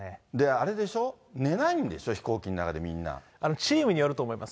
あれでしょ、寝ないんでしょ、チームによると思います。